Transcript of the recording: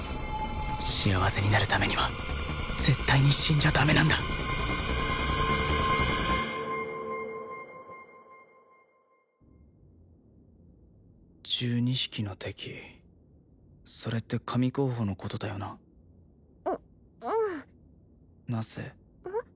幸せになるためには絶対に死んじゃダメなんだ１２匹の敵それって神候補のことだよなううんナッセうん？